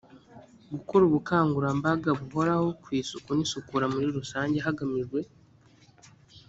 gukora ubukangurambaga buhoraho ku isuku n isukura muri rusange hagamijwe